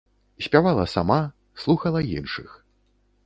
Спявала сама, слухала іншых.